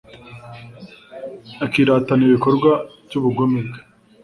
akiratana ibikorwa by'ubugome bwe